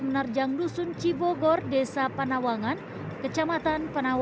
dan angin puting beliung di sebuah kapal